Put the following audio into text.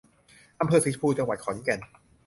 อำเภอสีชมพู จังหวัดขอนแก่น